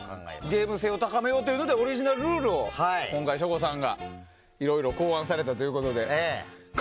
ゲーム性を高めようというのでオリジナルルールを今回、省吾さんがいろいろ考案されたということで。